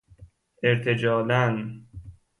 ارتجالاً